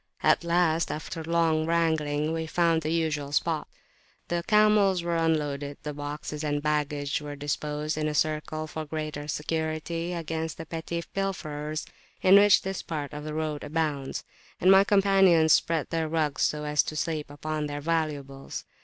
At last, after long wrangling, we found the usual spot; the camels were unloaded, the boxes and baggage were disposed in a circle for greater security against the petty pilferers in which this part of the road abounds, and my companions spread their rugs so as to sleep upon their valuables.